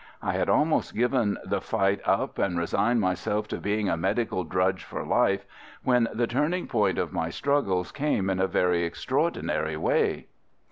I had almost given the fight up and resigned myself to being a medical drudge for life, when the turning point of my struggles came in a very extraordinary way.